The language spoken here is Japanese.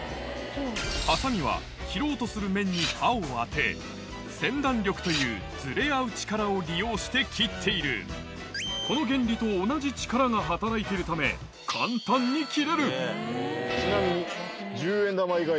ハサミは切ろうとする面に刃を当てせん断力というずれ合う力を利用して切っているこの原理と同じ力が働いているため簡単に切れるちなみに。